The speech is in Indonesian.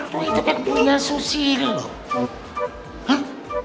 luar biasa punya susi ini loh